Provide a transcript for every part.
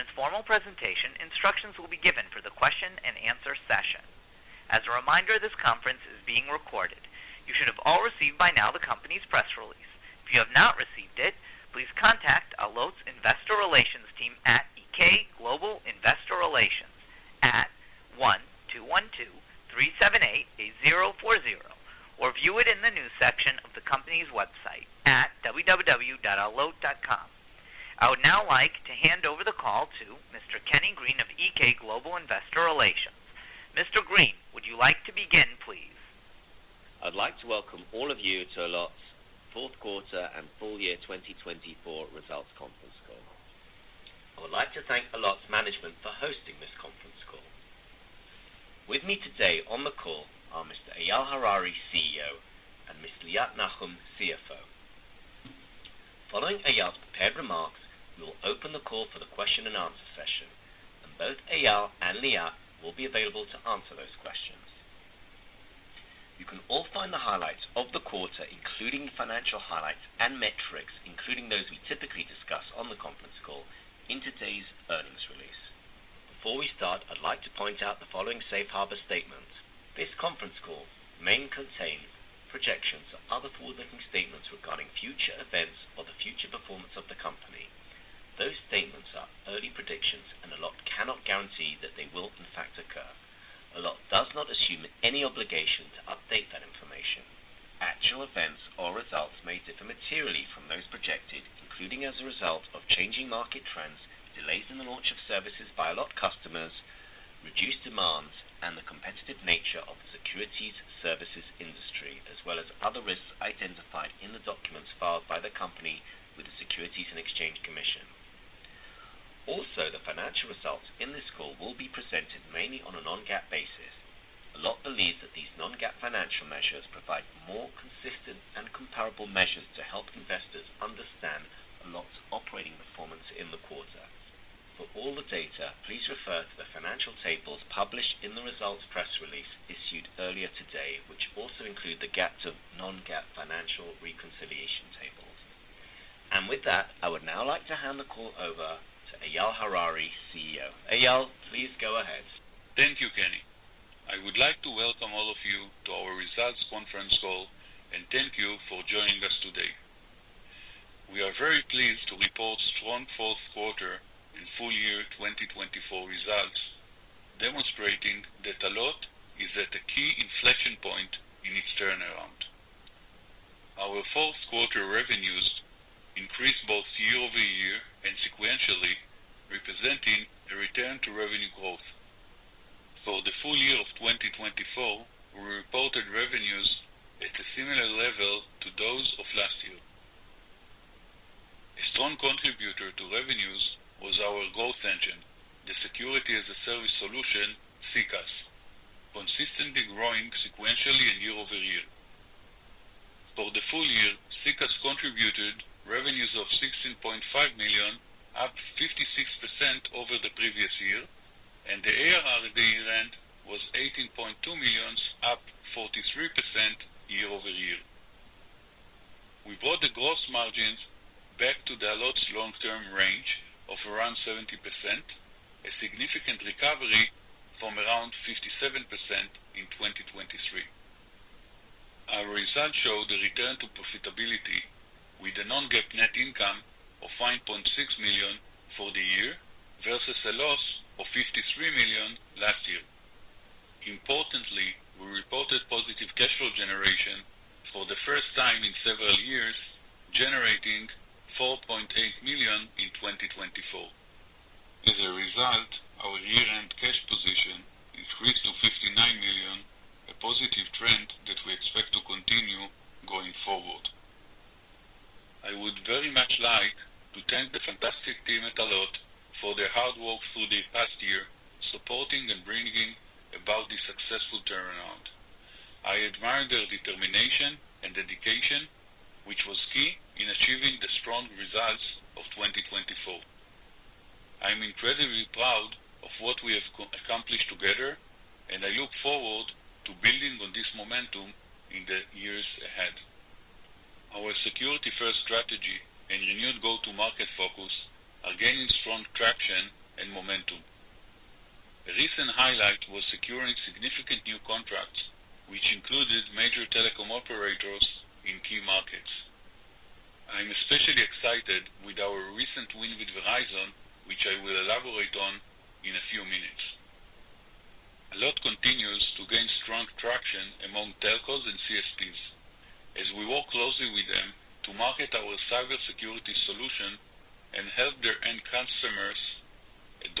Ladies and gentlemen, thank you for standing by. Welcome to Allot's Fourth Quarter 2024 Results Conference Call. All participants are present in listen-only mode. Following management's formal presentation, instructions will be given for the question-and-answer session. As a reminder, this conference is being recorded. You should have all received by now the company's press release. If you have not received it, please contact Allot's investor relations team at EK Global Investor Relations at 1-212-378-8040 or view it in the news section of the company's website at www.allot.com. I would now like to hand over the call to Mr. Kenny Green of EK Global Investor Relations. Mr. Green, would you like to begin, please? I'd like to welcome all of you to Allot's Fourth Quarter and Full Year 2024 Results Conference Call. I would like to thank Allot's management for hosting this conference call. With me today on the call are Mr. Eyal Harari, CEO, and Ms. Liat Nahum, CFO. Following Eyal's prepared remarks, we will open the call for the question-and-answer session, and both Eyal and Liat will be available to answer those questions. You can all find the highlights of the quarter, including financial highlights and metrics, including those we typically discuss on the conference call, in today's earnings release. Before we start, I'd like to point out the following safe harbor statements. This conference call mainly contains projections or other forward-looking statements regarding future events or the future performance of the company. Those statements are early predictions, and Allot cannot guarantee that they will, in fact, occur. Allot does not assume any obligation to update that information. Actual events or results may differ materially from those projected, including as a result of changing market trends, delays in the launch of services by Allot customers, reduced demands, and the competitive nature of the securities services industry, as well as other risks identified in the documents filed by the company with the Securities and Exchange Commission. Also, the financial results in this call will be presented mainly on a non-GAAP basis. Allot believes that these non-GAAP financial measures provide more consistent and comparable measures to help investors understand Allot's operating performance in the quarter. For all the data, please refer to the financial tables published in the results press release issued earlier today, which also include the GAAP to non-GAAP financial reconciliation tables, and with that, I would now like to hand the call over to Eyal Harari, CEO. Eyal, please go ahead. Thank you, Kenny. I would like to welcome all of you to our results conference call and thank you for joining us today. We are very pleased to report strong fourth quarter and full year 2024 results, demonstrating that Allot is at a key inflection point in its turnaround. Our fourth quarter revenues increased both year-over-year and sequentially, representing a return to revenue growth. For the full year of 2024, we reported revenues at a similar level to those of last year. A strong contributor to revenues was our growth engine, the security-as-a-service solution, SECaaS, consistently growing sequentially year-over-year. For the full year, SECaaS contributed revenues of $16.5 million, up 56% over the previous year, and the ARR run rate was $18.2 million, up 43% year-over-year. We brought the gross margins back to Allot's long-term range of around 70%, a significant recovery from around 57% in 2023. Our results showed a return to profitability with a non-GAAP net income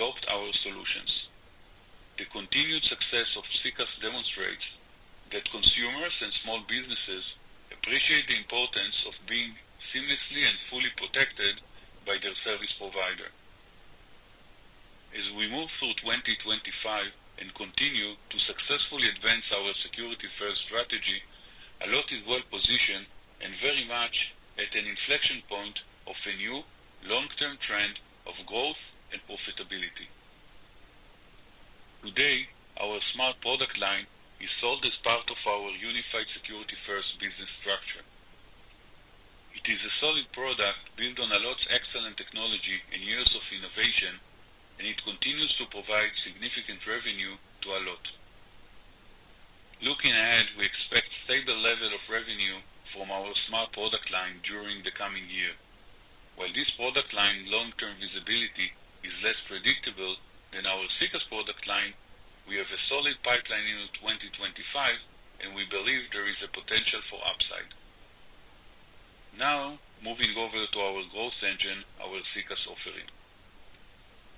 customers adopt our solutions. The continued success of SECaaS demonstrates that consumers and small businesses appreciate the importance of being seamlessly and fully protected by their service provider. As we move through 2025 and continue to successfully advance our security-first strategy, Allot is well positioned and very much at an inflection point of a new long-term trend of growth and profitability. Today, our Smart product line is sold as part of our unified security-first business structure. It is a solid product built on Allot's excellent technology and years of innovation, and it continues to provide significant revenue to Allot. Looking ahead, we expect a stable level of revenue from our Smart product line during the coming year. While this product line's long-term visibility is less predictable than our SECaaS product line, we have a solid pipeline into 2025, and we believe there is potential for upside. Now, moving over to our growth engine, our SECaaS offering.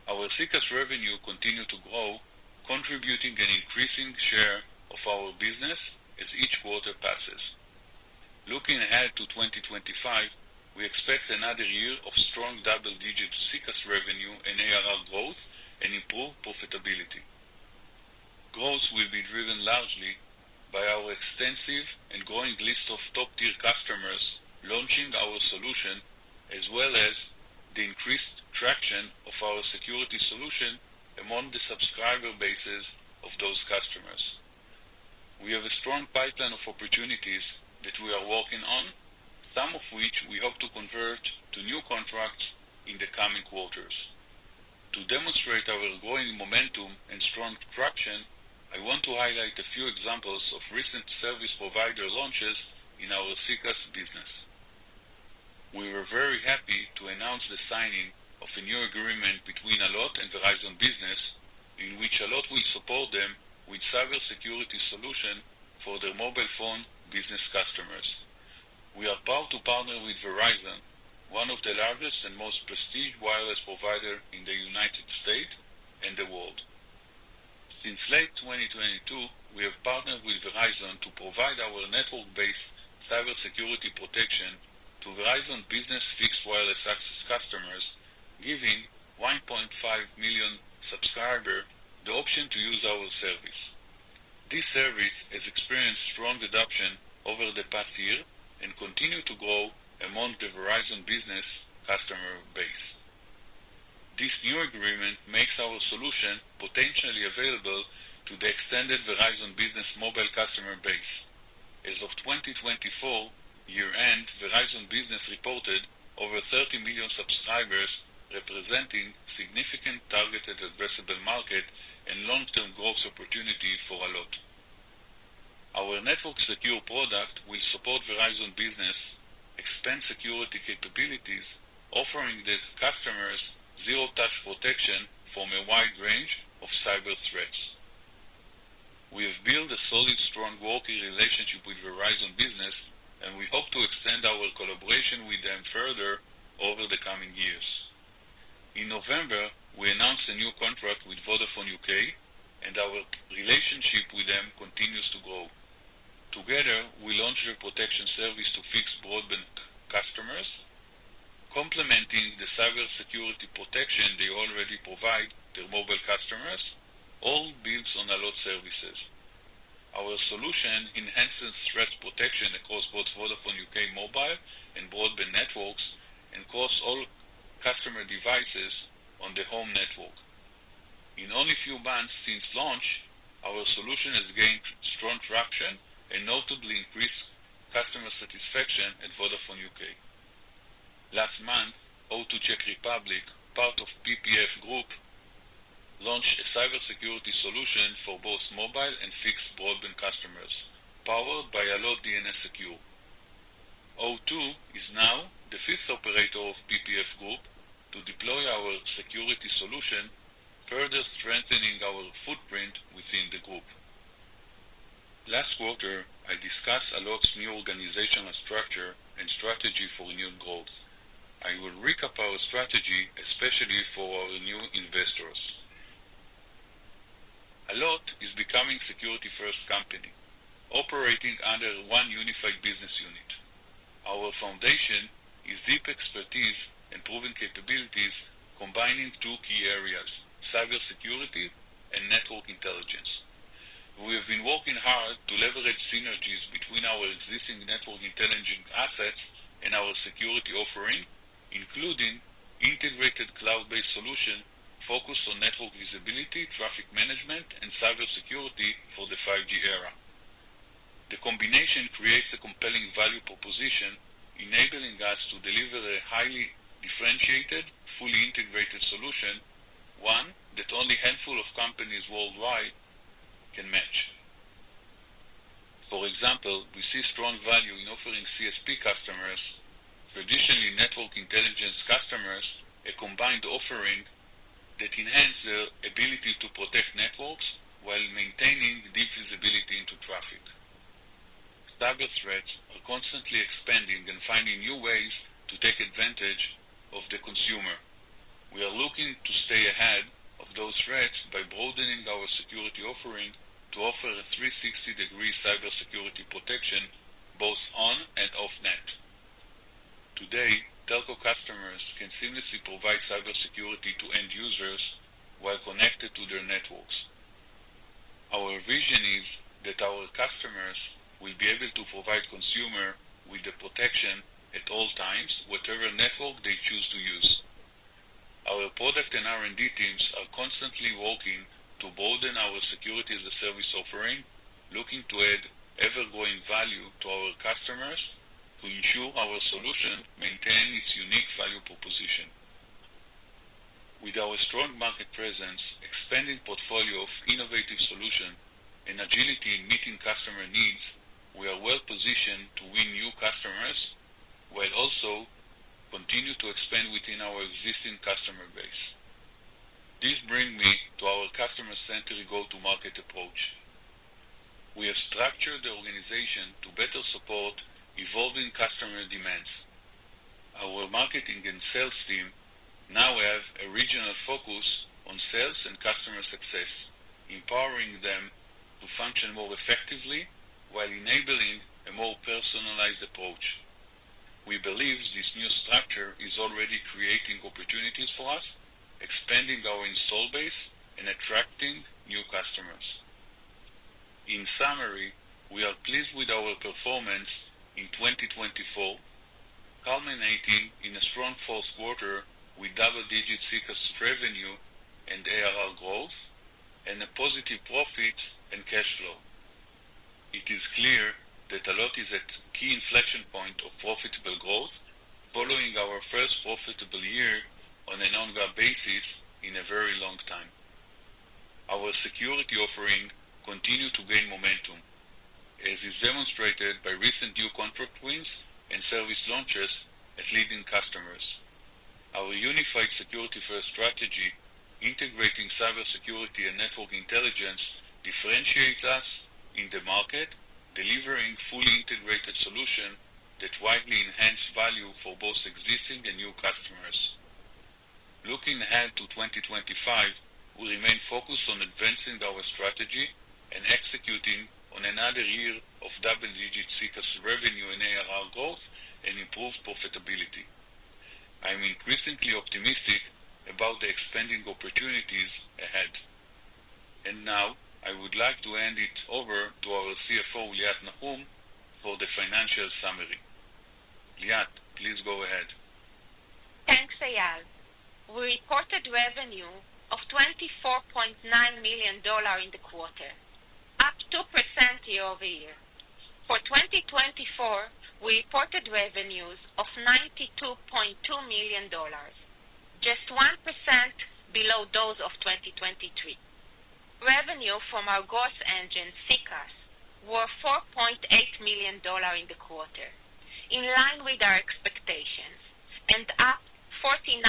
Our SECaaS revenue continues to grow, contributing an increasing share of our business as each quarter passes. Looking ahead to 2025, we expect another year of strong double-digit SECaaS revenue and ARR growth and improved profitability. Growth will be driven largely by our extensive and growing list of top-tier customers launching our solution, as well as the increased traction of our security solution among the subscriber bases of those customers. We have a strong pipeline of opportunities that we are working on, some of which we hope to convert to new contracts in the coming quarters. To demonstrate our growing momentum and strong traction, I want to highlight a few examples of recent service provider launches in our SECaaS business. We were very happy to announce the signing of a new agreement between Allot and Verizon Business, in which Allot will support them with cybersecurity solutions for their mobile phone business customers. We are proud to partner with Verizon, one of the largest and most prestigious wireless providers in the United States and the world. Since late 2022, we have partnered with Verizon to provide our network-based cybersecurity protection to Verizon Business Fixed Wireless Access customers, giving 1.5 million subscribers the option to use our service. This service has experienced strong adoption over the past year and continues to grow among the Verizon Business customer base. This new agreement makes our solution potentially available to the extended Verizon Business mobile customer base. As of 2024 year-end, Verizon Business reported over 30 million subscribers, representing a significant targeted addressable market and long-term growth opportunity for Allot. Our NetworkSecure product will support Verizon Business's enhanced security capabilities, offering their customers zero-touch protection from a wide range of cyber threats. We have built a solid, strong working relationship with Verizon Business, and we hope to extend our collaboration with them further over the coming years. In November, we announced a new contract with Vodafone UK, and our relationship with them continues to grow. Together, we launched a protection service for fixed broadband customers, complementing the cybersecurity protection they already provide their mobile customers, all built on Allot services. Our solution enhances threat protection across both Vodafone UK mobile and broadband networks and across all customer devices on the home network. In only a few months since launch, our solution has gained strong traction and notably increased customer satisfaction at Vodafone UK. Last month, O2 Czech Republic, part of PPF Group, launched a cybersecurity solution for both mobile and fixed broadband customers, powered by Allot DNS Secure. O2 is now the fifth operator of PPF Group to deploy our security solution, further strengthening our footprint within the group. Last quarter, I discussed Allot's new organizational structure and strategy for renewed growth. I will recap our strategy, especially for our new investors. Allot is becoming a security-first company, operating under one unified business unit. Our foundation is deep expertise and proven capabilities, combining two key areas: cybersecurity and network intelligence. We have been working hard to leverage synergies between our existing network intelligence assets and our security offering, including an integrated cloud-based solution focused on network visibility, traffic management, and cybersecurity for the 5G era. The combination creates a compelling value proposition, enabling us to deliver a highly differentiated, fully integrated solution, one that only a handful of companies worldwide can match. For example, we see strong value in offering CSP customers, traditionally network intelligence customers, a combined offering that enhances their ability to protect networks while maintaining deep visibility into traffic. Cyber threats are constantly expanding and finding new ways to take advantage of the consumer. We are looking to stay ahead of those threats by broadening our security offering to offer a 360-degree cybersecurity protection both on and off-net. Today, telco customers can seamlessly provide cybersecurity to end users while connected to their networks. Our vision is that our customers will be able to provide consumers with the protection at all times, whatever network they choose to use. Our product and R&D teams are constantly working to broaden our security-as-a-service offering, looking to add ever-growing value to our customers to ensure our solution maintains its unique value proposition. With our strong market presence, expanding portfolio of innovative solutions, and agility in meeting customer needs, we are well positioned to win new customers while also continuing to expand within our existing customer base. This brings me to our customer-centric go-to-market approach. We have structured the organization to better support evolving customer demands. Our marketing and sales team now have a regional focus on sales and customer success, empowering them to function more effectively while enabling a more personalized approach. We believe this new structure is already creating opportunities for us, expanding our install base, and attracting new customers. In summary, we are pleased with our performance in 2024, culminating in a strong fourth quarter with double-digit SECaaS revenue and ARR growth, and positive profits and cash flow. It is clear that Allot is at a key inflection point of profitable growth, following our first profitable year on an on-going basis in a very long time. Our security offering continues to gain momentum, as is demonstrated by recent new contract wins and service launches at leading customers. Our unified security-first strategy, integrating cybersecurity and network intelligence, differentiates us in the market, delivering a fully integrated solution that widely enhances value for both existing and new customers. Looking ahead to 2025, we remain focused on advancing our strategy and executing on another year of double-digit SECaaS revenue and ARR growth and improved profitability. I'm increasingly optimistic about the expanding opportunities ahead. And now, I would like to hand it over to our CFO, Liat Nahum, for the financial summary. Liat, please go ahead. Thanks, Eyal. We reported revenue of $24.9 million in the quarter, up 2% year-over-year. For 2024, we reported revenues of $92.2 million, just 1% below those of 2023. Revenue from our growth engine, SECaaS, was $4.8 million in the quarter, in line with our expectations, and up 49%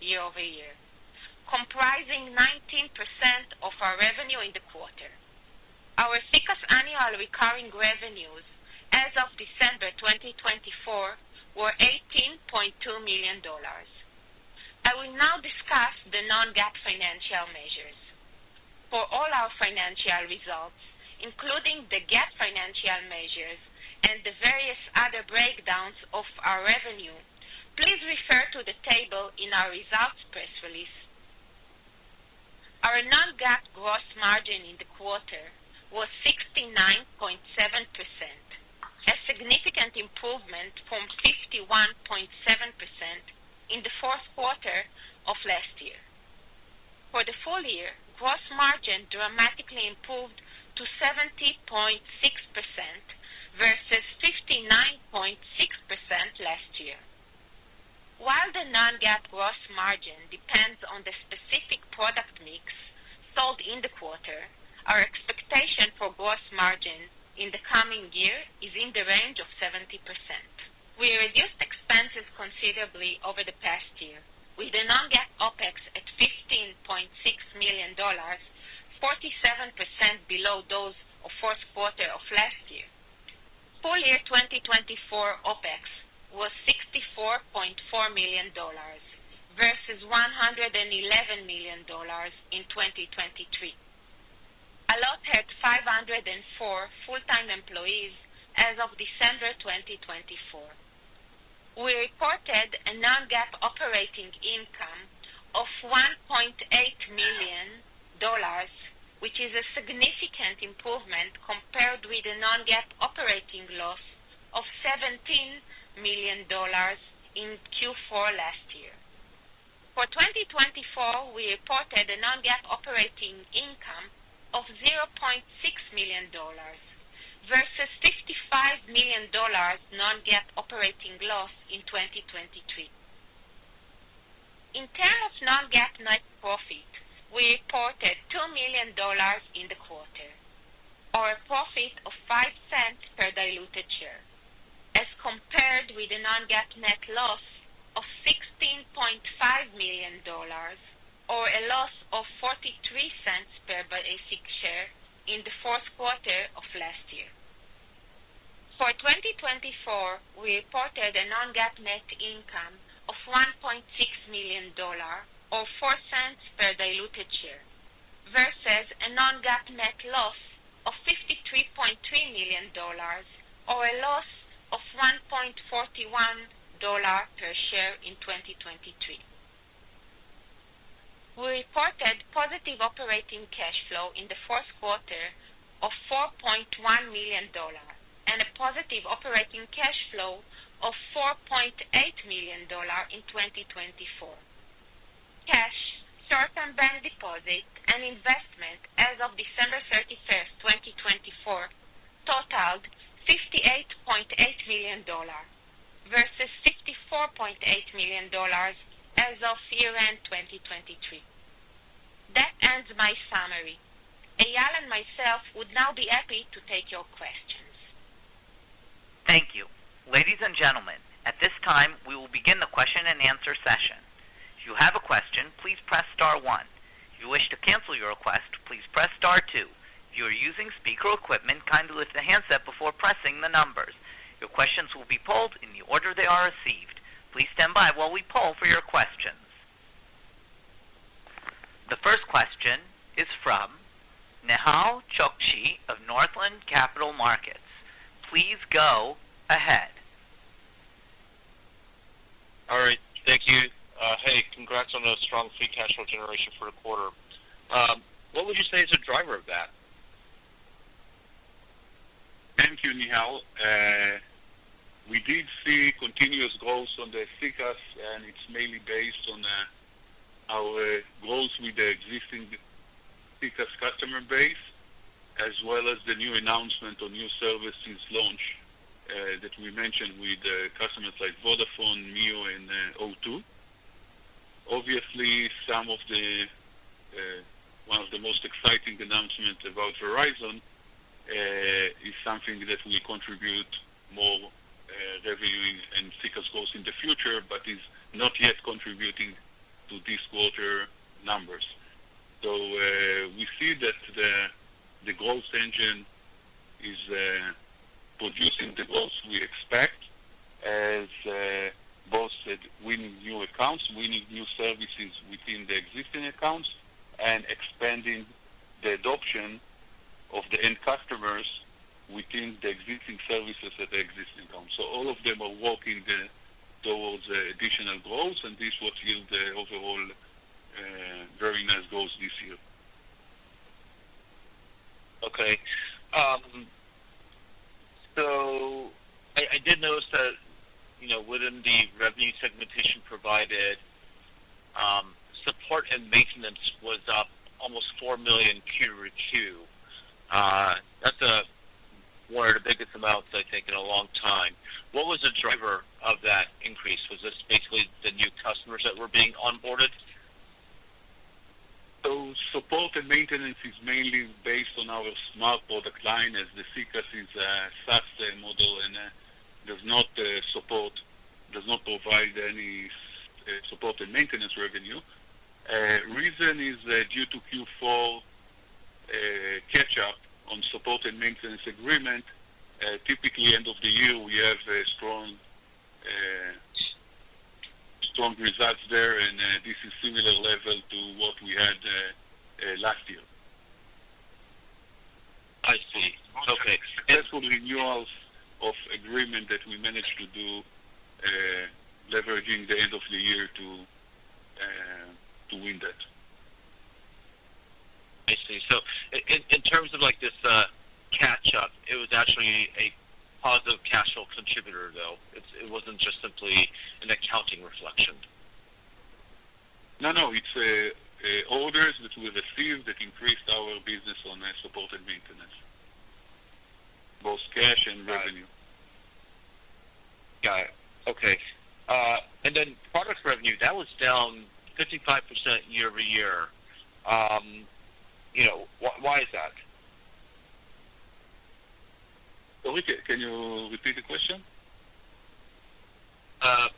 year-over-year, comprising 19% of our revenue in the quarter. Our SECaaS annual recurring revenues as of December 2024 were $18.2 million. I will now discuss the non-GAAP financial measures. For all our financial results, including the GAAP financial measures and the various other breakdowns of our revenue, please refer to the table in our results press release. Our non-GAAP gross margin in the quarter was 69.7%, a significant improvement from 51.7% in the fourth quarter of last year. For the full year, gross margin dramatically improved to 70.6% versus 59.6% last year. While the non-GAAP gross margin depends on the specific product mix sold in the quarter, our expectation for gross margin in the coming year is in the range of 70%. We reduced expenses considerably over the past year, with the non-GAAP OpEx at $15.6 million, 47% below those of the fourth quarter of last year. Full year 2024 OpEx was $64.4 million versus $111 million in 2023. Allot had 504 full-time employees as of December 2024. We reported a non-GAAP operating income of $1.8 million, which is a significant improvement compared with the non-GAAP operating loss of $17 million in Q4 last year. For 2024, we reported a non-GAAP operating income of $0.6 million versus $55 million non-GAAP operating loss in 2023. In terms of non-GAAP net profit, we reported $2 million in the quarter, or a profit of $0.05 per diluted share, as compared with the non-GAAP net loss of $16.5 million, or a loss of $0.43 per basic share in the fourth quarter of last year. For 2024, we reported a non-GAAP net income of $1.6 million, or $0.04 per diluted share, versus a non-GAAP net loss of $53.3 million, or a loss of $1.41 per share in 2023. We reported positive operating cash flow in the fourth quarter of $4.1 million and a positive operating cash flow of $4.8 million in 2024. Cash, short-term bank deposits, and investment as of December 31st, 2024, totaled $58.8 million versus $54.8 million as of year-end 2023. That ends my summary. Eyal and myself would now be happy to take your questions. Thank you. Ladies and gentlemen, at this time, we will begin the question-and-answer session. If you have a question, please press star one. If you wish to cancel your request, please press star two. If you are using speaker equipment, kindly lift the handset before pressing the numbers. Your questions will be polled in the order they are received. Please stand by while we poll for your questions. The first question is from Nehal Chokshi of Northland Capital Markets. Please go ahead. All right. Thank you. Hey, congrats on a strong free cash flow generation for the quarter. What would you say is the driver of that? Thank you, Nehal. We did see continuous growth on the SECaaS, and it's mainly based on our growth with the existing SECaaS customer base, as well as the new announcement on new services launch that we mentioned with customers like Vodafone, MEO, and O2. Obviously, one of the most exciting announcements about Verizon is something that will contribute more revenue and SECaaS growth in the future, but is not yet contributing to this quarter's numbers. So we see that the growth engine is producing the growth we expect, as both winning new accounts, winning new services within the existing accounts, and expanding the adoption of the end customers within the existing services at the existing accounts. So all of them are working towards additional growth, and this will yield overall very nice growth this year. Okay. So I did notice that within the revenue segmentation provided, support and maintenance was up almost $4 million QoQ. That's one of the biggest amounts, I think, in a long time. What was the driver of that increase? Was this basically the new customers that were being onboarded? So support and maintenance is mainly based on our Smart product line, as the SECaaS is a SaaS model, and it does not provide any support and maintenance revenue. The reason is due to Q4 catch-up on support and maintenance agreement. Typically, end of the year, we have strong results there, and this is a similar level to what we had last year. I see. Okay. And... That's for renewals of agreement that we managed to do, leveraging the end of the year to win that. I see. So in terms of this catch-up, it was actually a positive cash flow contributor, though. It wasn't just simply an accounting reflection. No, no. It's orders that we received that increased our business on support and maintenance, both cash and revenue. Got it. Okay. And then product revenue, that was down 55% year-over-year. Why is that? Can you repeat the question?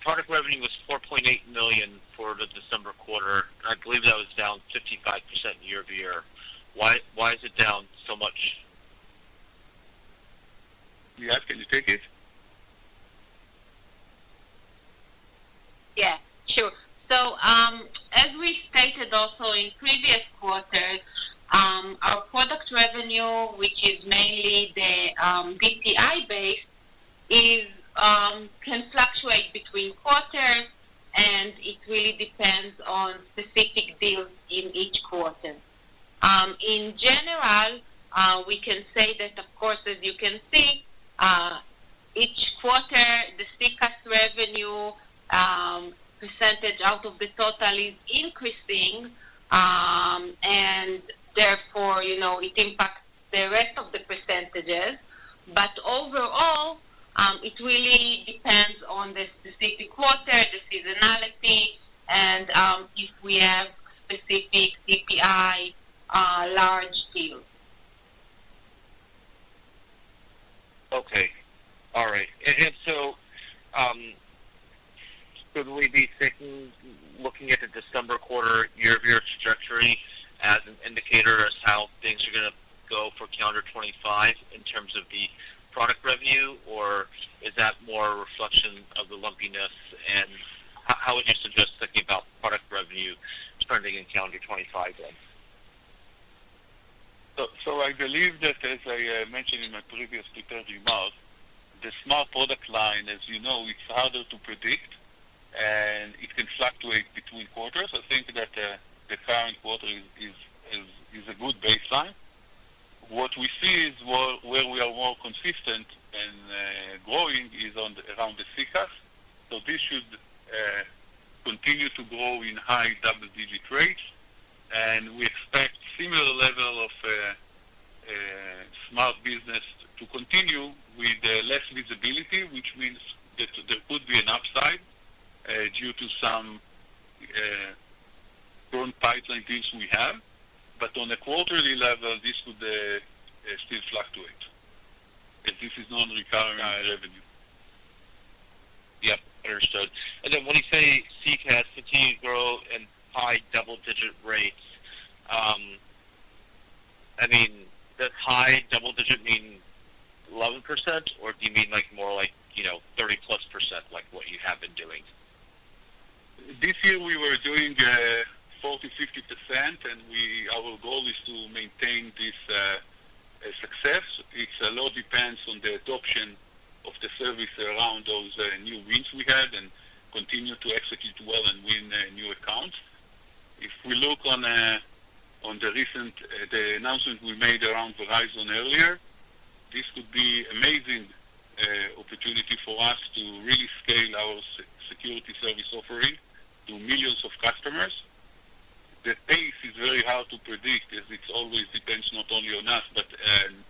Product revenue was $4.8 million for the December quarter. I believe that was down 55% year-over-year. Why is it down so much? Liat, can you take it? Yes, sure. As we stated also in previous quarters, our product revenue, which is mainly the DPI-based, can fluctuate between quarters, and it really depends on specific deals in each quarter. In general, we can say that, of course, as you can see, each quarter, the SECaaS revenue percentage out of the total is increasing, and therefore, it impacts the rest of the percentages. But overall, it really depends on the specific quarter, the seasonality, and if we have specific DPI large deals. Okay. All right. Could we be looking at the December quarter year-over-year trajectory as an indicator as how things are going to go for calendar 2025 in terms of the product revenue, or is that more a reflection of the lumpiness? How would you suggest thinking about product revenue trending in calendar 2025 then? I believe that, as I mentioned in my previous prepared remarks, the smart product line, as you know, it's harder to predict, and it can fluctuate between quarters. I think that the current quarter is a good baseline. What we see is where we are more consistent and growing is around the SECaaS. This should continue to grow in high double-digit rates, and we expect a similar level of smart business to continue with less visibility, which means that there could be an upside due to some growth pipeline deals we have. On a quarterly level, this could still fluctuate if this is non-recurring revenue. Yep. Understood. And then when you say SECaaS continues to grow in high double-digit rates, I mean, does high double-digit mean 11%, or do you mean more like 30+%, like what you have been doing? This year, we were doing 40%, 50%, and our goal is to maintain this success. It's a lot depends on the adoption of the service around those new wins we had and continue to execute well and win new accounts. If we look on the announcement we made around Verizon earlier, this could be an amazing opportunity for us to really scale our security service offering to millions of customers. The pace is very hard to predict, as it always depends not only on us but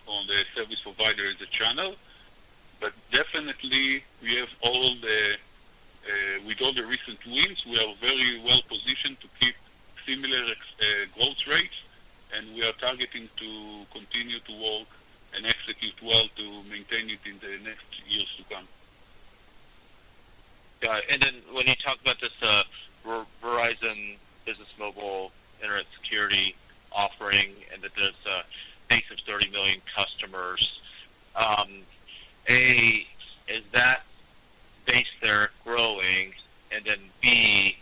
on the service provider as a channel. But definitely, with all the recent wins, we are very well positioned to keep similar growth rates, and we are targeting to continue to work and execute well to maintain it in the next years to come. Got it. And then when you talk about this Verizon Business Mobile Internet Security offering and that there's a base of 30 million customers, A, is that base there growing? And then B,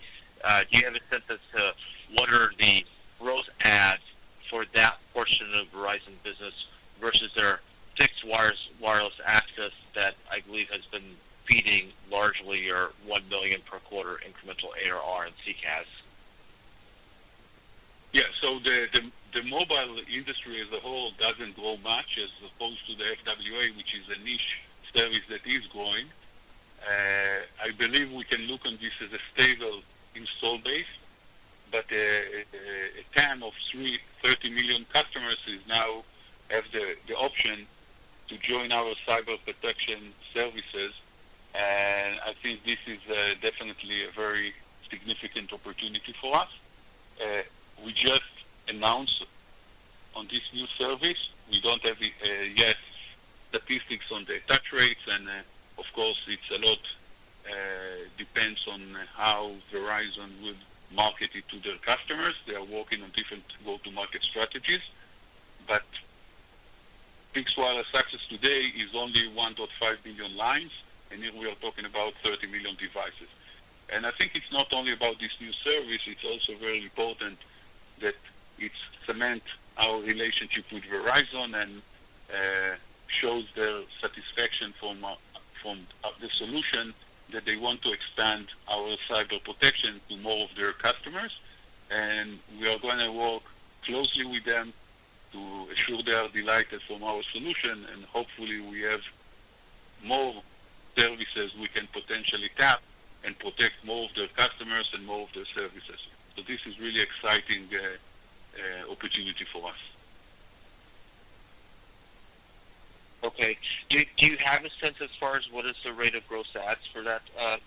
do you have a sense as to what are the growth odds for that portion of Verizon business versus their fixed wireless access that I believe has been feeding largely your 1 million per quarter incremental ARR and SECaaS? Yeah. So the mobile industry as a whole doesn't grow much as opposed to the FWA, which is a niche service that is growing. I believe we can look at this as a stable installed base, but then 30 million customers now have the option to join our cyber protection services. I think this is definitely a very significant opportunity for us. We just announced this new service. We don't have statistics yet on the attach rates, and of course, a lot depends on how Verizon will market it to their customers. They are working on different go-to-market strategies. Fixed wireless access today is only 1.5 million lines, and here we are talking about 30 million devices. I think it's not only about this new service. It's also very important that it cements our relationship with Verizon and shows their satisfaction with the solution that they want to expand our cyber protection to more of their customers. We are going to work closely with them to assure their delight from our solution, and hopefully, we have more services we can potentially tap and protect more of their customers and more of their services. This is really an exciting opportunity for us. Okay. Do you have a sense as far as what is the rate of growth as for that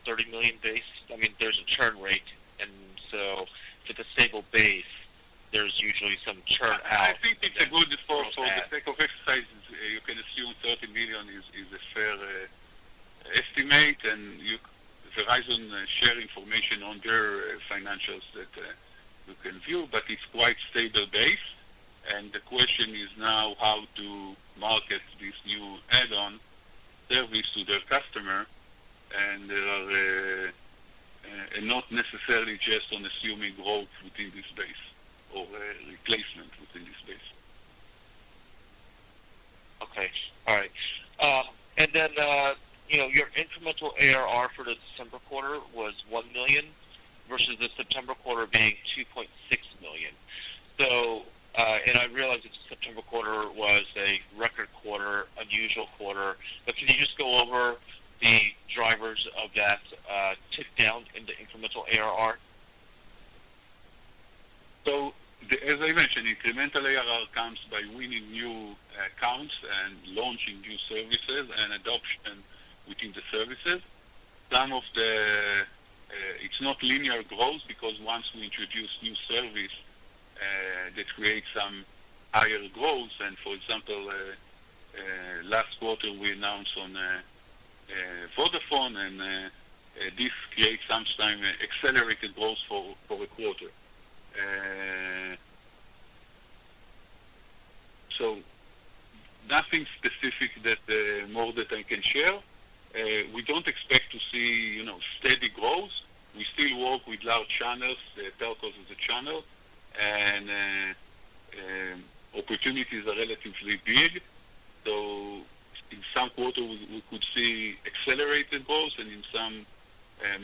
30 million base? I mean, there's a churn rate, and so with a stable base, there's usually some churn out. I think it's good for the sake of exercise. You can assume 30 million is a fair estimate, and Verizon shares information on their financials that you can view, but it's quite a stable base. The question is now how to market this new add-on service to their customer, and not necessarily just on assuming growth within this base or replacement within this base. Okay. All right. And then your incremental ARR for the December quarter was $1 million versus the September quarter being $2.6 million. And I realize that the September quarter was a record quarter, unusual quarter, but can you just go over the drivers of that dip-down in the incremental ARR? So as I mentioned, incremental ARR comes by winning new accounts and launching new services and adoption within the services. It's not linear growth because once we introduce new service, that creates some higher growth. And for example, last quarter, we announced on Vodafone, and this creates sometimes accelerated growth for a quarter. So nothing specific more than that I can share. We don't expect to see steady growth. We still work with large channels, telcos as a channel, and opportunities are relatively big. So in some quarters, we could see accelerated growth and in some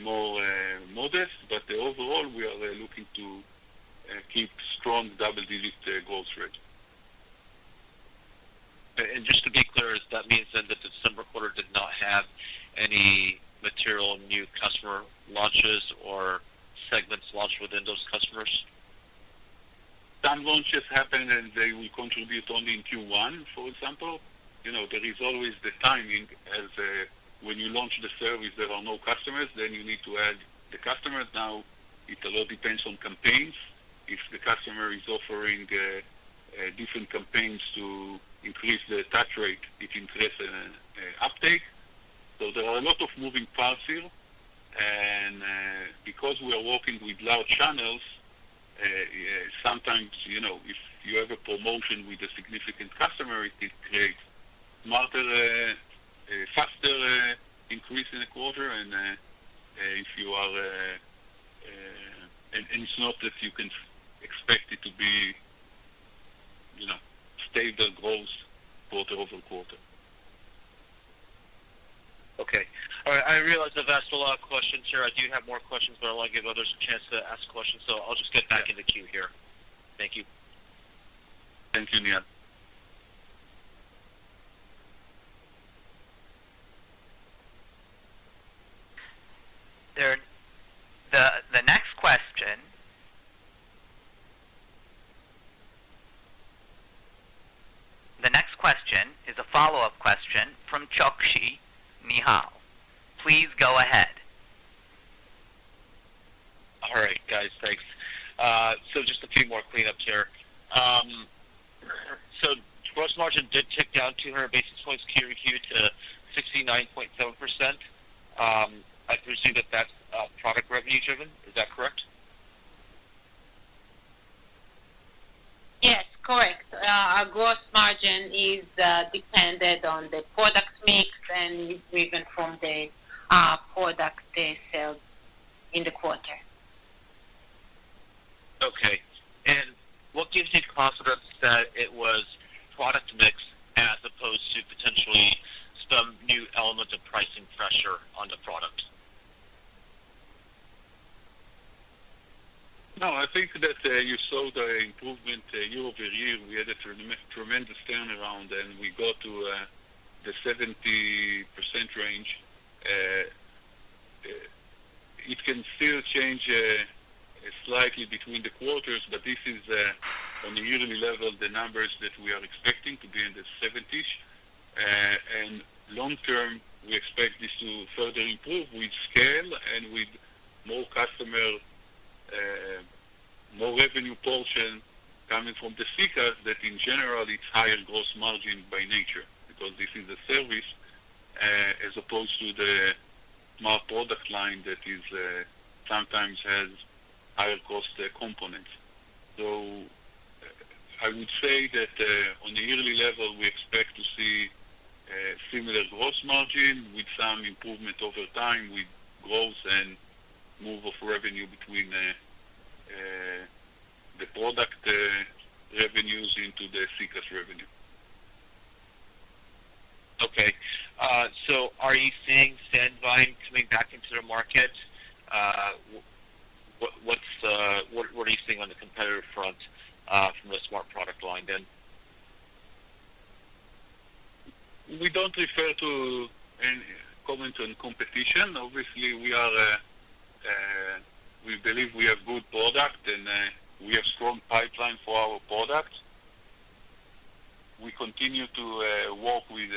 more modest. But overall, we are looking to keep strong double-digit growth rate. And just to be clear, that means then that the December quarter did not have any material new customer launches or segments launched within those customers? Some launches happen, and they will contribute only in Q1, for example. There is always the timing, as when you launch the service, there are no customers, then you need to add the customers. Now, it all depends on campaigns. If the customer is offering different campaigns to increase the attach rate, it increases uptake. So there are a lot of moving parts here. And because we are working with large channels, sometimes if you have a promotion with a significant customer, it creates smarter, faster increase in the quarter. And it's not that you can expect it to be stable growth quarter-over-quarter. Okay. All right. I realize I've asked a lot of questions, sir. I do have more questions, but I want to give others a chance to ask questions. So I'll just get back in the queue here. Thank you. Thank you, Nehal. The next question is a follow-up question from Chokshi, Nehal, please go ahead. All right, guys. Thanks. So just a few more cleanups here. So gross margin did tick down 200 basis points Q2 to 69.7%. I presume that that's product revenue-driven. Is that correct? Yes, correct. Our gross margin is dependent on the product mix and is driven from the product they sell in the quarter. Okay. And what gives you confidence that it was product mix as opposed to potentially some new element of pricing pressure on the product? No, I think that you saw the improvement year-over-year. We had a tremendous turnaround, and we got to the 70% range. It can still change slightly between the quarters, but this is, on a yearly level, the numbers that we are expecting to be in the 70-ish. And long term, we expect this to further improve with scale and with more customer, more revenue portion coming from the SECaaS that, in general, it's higher gross margin by nature because this is a service as opposed to the Smart product line that sometimes has higher cost components. So I would say that on a yearly level, we expect to see similar gross margin with some improvement over time with growth and move of revenue between the product revenues into the SECaaS revenue. Okay. So are you seeing Sandvine coming back into the market? What are you seeing on the competitor front from the Smart product line then? We don't care to comment on competition. Obviously, we believe we have good product, and we have strong pipeline for our products. We continue to work with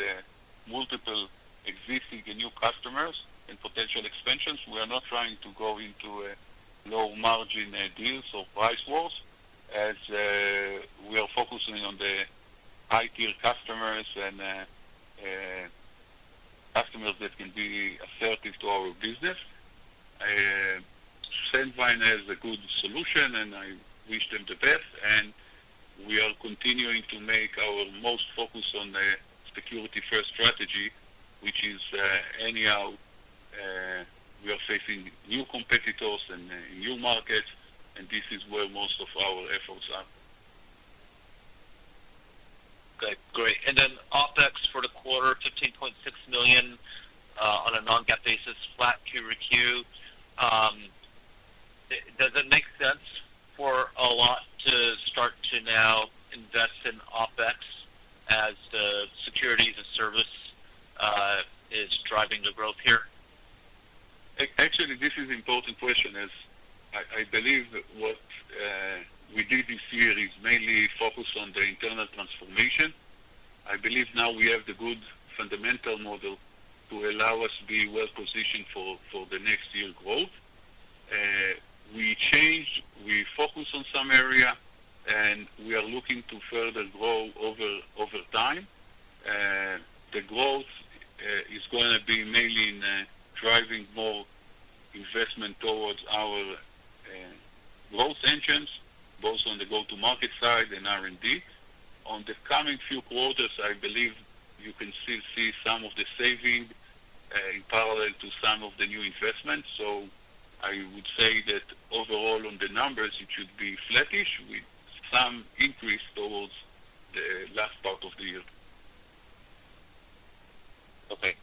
multiple existing and new customers and potential expansions. We are not trying to go into low margin deals or price wars as we are focusing on the high-tier customers and customers that can be additive to our business. Sandvine has a good solution, and I wish them the best. We are continuing to make our most focus on the security-first strategy, which is anyhow, we are facing new competitors and new markets, and this is where most of our efforts are. Okay. Great. Then OpEx for the quarter, $15.6 million on a non-GAAP basis, flat QoQ. Does it make sense for Allot to start to now invest in OpEx as the Security-as-a-Service is driving the growth here? Actually, this is an important question as I believe what we did this year is mainly focused on the internal transformation. I believe now we have the good fundamental model to allow us to be well positioned for the next year's growth. We changed, we focused on some area, and we are looking to further grow over time. The growth is going to be mainly in driving more investment towards our growth engines, both on the go-to-market side and R&D. On the coming few quarters, I believe you can still see some of the savings in parallel to some of the new investments. So I would say that overall, on the numbers, it should be flattish with some increase towards the last part of the year. Okay.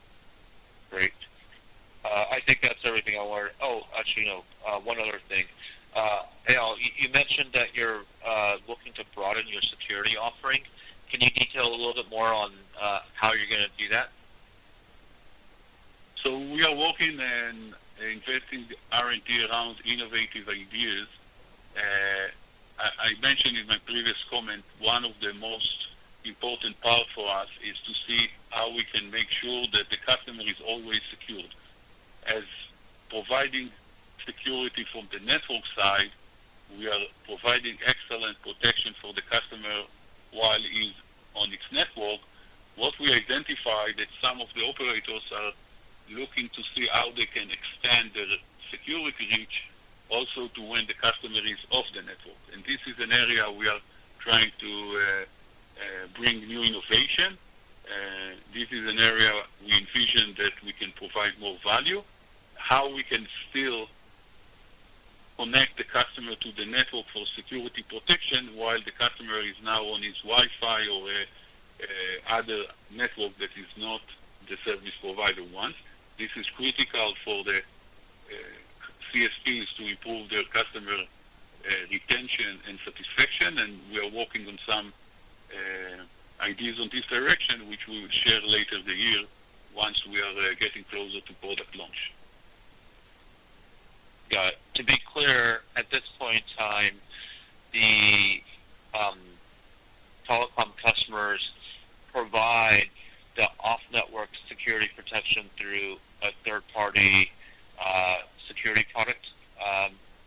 Great. I think that's everything I wanted, oh, actually, no. One other thing. Eyal, you mentioned that you're looking to broaden your security offering. Can you detail a little bit more on how you're going to do that? So we are working and investing R&D around innovative ideas. I mentioned in my previous comment, one of the most important parts for us is to see how we can make sure that the customer is always secured. As providing security from the network side, we are providing excellent protection for the customer while he's on its network. What we identified is that some of the operators are looking to see how they can extend their security reach also to when the customer is off the network. And this is an area we are trying to bring new innovation. This is an area we envision that we can provide more value. How we can still connect the customer to the network for security protection while the customer is now on his Wi-Fi or other network that is not the service provider wants. This is critical for the CSPs to improve their customer retention and satisfaction. We are working on some ideas in this direction, which we will share later this year once we are getting closer to product launch. Got it. To be clear, at this point in time, the telecom customers provide the off-network security protection through a third-party security product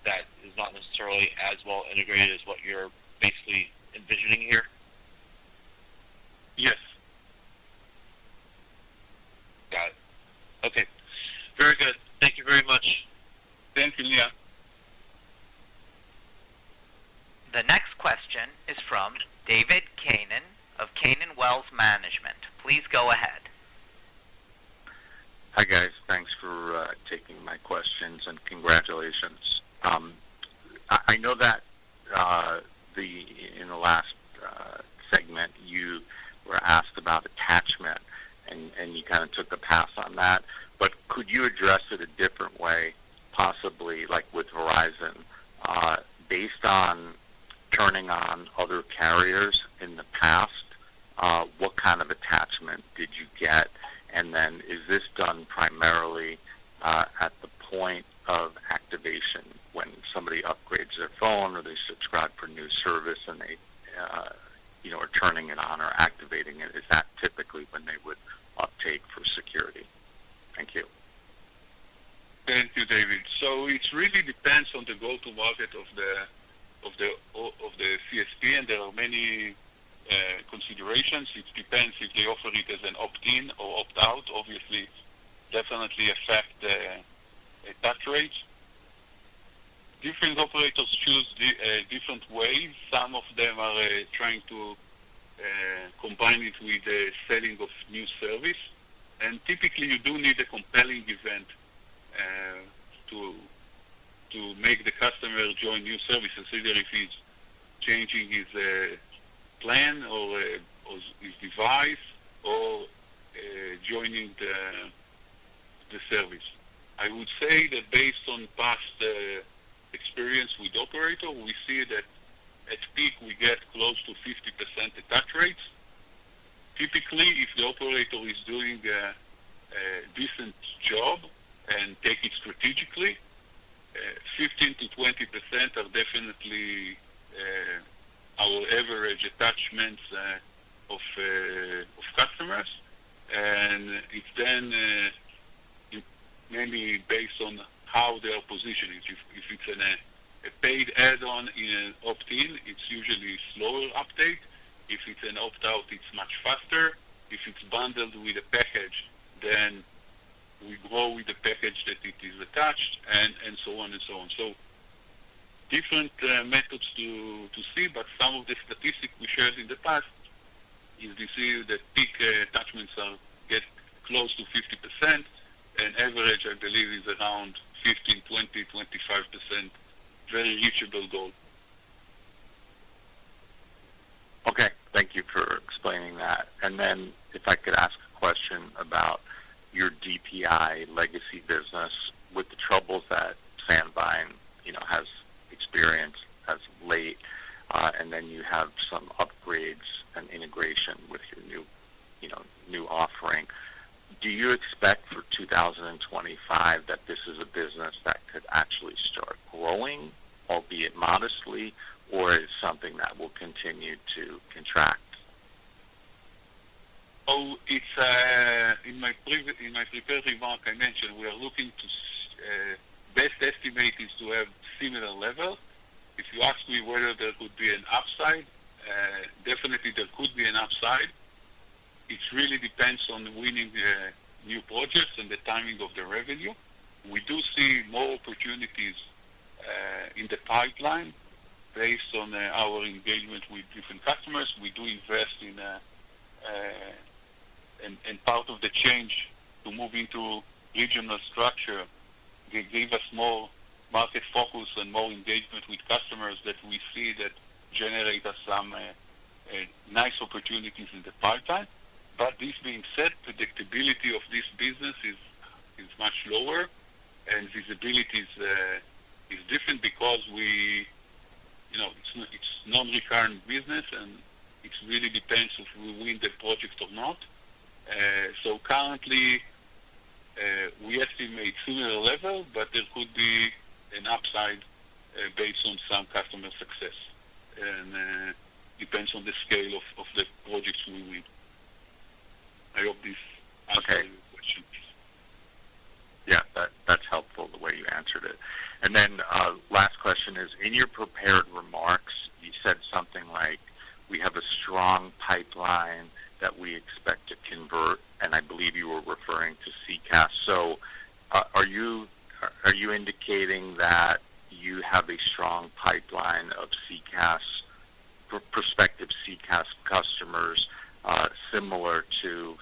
that is not necessarily as well integrated as what you're basically envisioning here? Yes. Got it. Okay. Very good. Thank you very much. Thank you, Nehal. The next question is from David Kanen of Kanen Wealth Management. Please go ahead. Hi guys. Thanks for taking my questions and congratulations. I know that in the last segment, you were asked about attachment, and you kind of took a pass on that. But could you address it a different way, possibly with Verizon? Based on turning on other carriers in the past, what kind of attachment did you get? And then is this done primarily at the point of activation when somebody upgrades their phone or they subscribe for new service and they are turning it on or activating it? Is that typically when they would update for security? Thank you. Thank you, David. So it really depends on the go-to-market of the CSP, and there are many considerations. It depends if they offer it as an opt-in or opt-out. Obviously, it definitely affects the attach rate. Different operators choose different ways. Some of them are trying to combine it with the selling of new service. Typically, you do need a compelling event to make the customer join new services, either if he's changing his plan or his device or joining the service. I would say that based on past experience with operator, we see that at peak, we get close to 50% attach rates. Typically, if the operator is doing a decent job and takes it strategically, 15%-20% are definitely our average attachments of customers. And it's then mainly based on how they are positioned. If it's a paid add-on in an opt-in, it's usually a slower update. If it's an opt-out, it's much faster. If it's bundled with a package, then we go with the package that it is attached, and so on and so on. Different methods to see, but some of the statistics we shared in the past is we see that peak attachments get close to 50%, and average, I believe, is around 15%, 20%, 25%, very reachable goal. Okay. Thank you for explaining that. And then if I could ask a question about your DPI legacy business with the troubles that Sandvine has experienced as of late, and then you have some upgrades and integration with your new offering. Do you expect for 2025 that this is a business that could actually start growing, albeit modestly, or is something that will continue to contract? Oh, in my prepared remark, I mentioned we are looking to best estimate is to have similar level. If you ask me whether there could be an upside, definitely there could be an upside. It really depends on winning new projects and the timing of the revenue. We do see more opportunities in the pipeline based on our engagement with different customers. We do invest in part of the change to move into regional structure. They gave us more market focus and more engagement with customers that we see that generate us some nice opportunities in the pipeline. But this being said, predictability of this business is much lower, and visibility is different because it's non-recurring business, and it really depends if we win the project or not. So currently, we estimate similar level, but there could be an upside based on some customer success. And it depends on the scale of the projects we win. I hope this answers your question. Yeah. That's helpful the way you answered it. And then last question is, in your prepared remarks, you said something like, "We have a strong pipeline that we expect to convert," and I believe you were referring to SECaaS. So are you indicating that you have a strong pipeline of prospective SECaaS customers similar to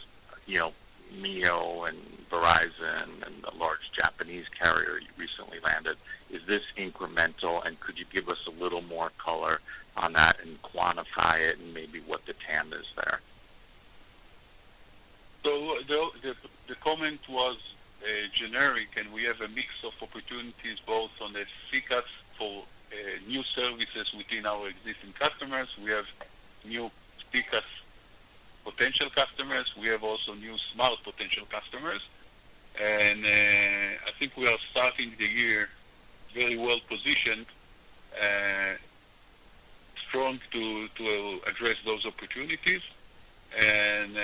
MEO and Verizon and the large Japanese carrier you recently landed? Is this incremental, and could you give us a little more color on that and quantify it and maybe what the TAM is there? So the comment was generic, and we have a mix of opportunities both on the SECaaS for new services within our existing customers. We have new SECaaS potential customers. We have also new smart potential customers. And I think we are starting the year very well positioned, strong to address those opportunities. And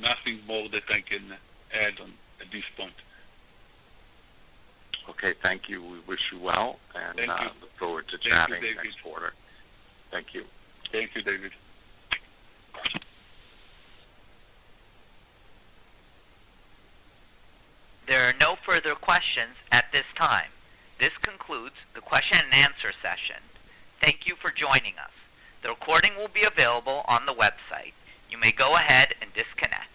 nothing more that I can add at this point. Okay. Thank you. We wish you well, and look forward to chatting next quarter. Thank you, David. Thank you. Thank you, David. There are no further questions at this time. This concludes the question and answer session. Thank you for joining us. The recording will be available on the website. You may go ahead and disconnect.